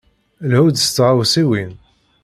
Lhu-d s tɣawsiwin.